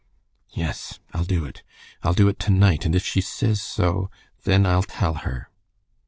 "Yes, I'll do it. I'll do it to night, and if she says so, then I'll tell her."